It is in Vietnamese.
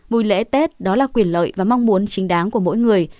vui lễ tết đó là quyền lợi và mong muốn chính đáng của mỗi người